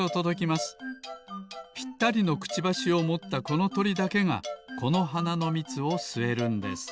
ぴったりのくちばしをもったこのとりだけがこのはなのみつをすえるんです。